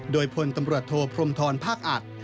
โดยพลตำรวจโทพรมธรภาคอัด